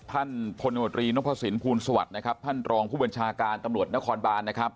ท่านพลโนตรีนพสินภูลสวัสดิ์นะครับท่านรองผู้บัญชาการตำรวจนครบานนะครับ